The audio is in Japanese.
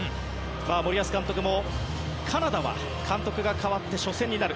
森保監督も、カナダは監督が代わって初戦になる。